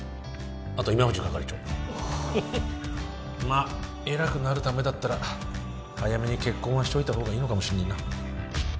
あと今藤係長まあ偉くなるためだったら早めに結婚はしといた方がいいのかもしんねえな